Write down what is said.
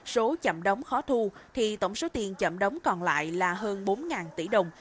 số chậm đóng khó thu thì tổng số tiền chậm đóng còn lại là hơn bốn tỷ đồng